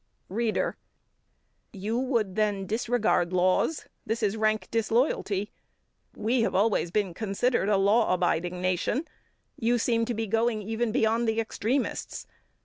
READER: You would then disregard laws this is rank disloyalty. We have always been considered a law abiding nation. You seem to be going even beyond the extremists.